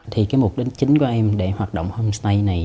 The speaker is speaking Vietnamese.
thì cái mục đích chính của em để hoạt động homestay này